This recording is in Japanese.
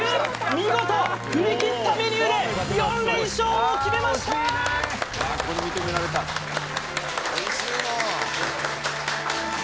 見事振りきったメニューで４連勝を決めましたよし！